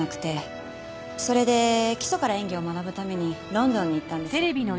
それで基礎から演技を学ぶためにロンドンに行ったんです。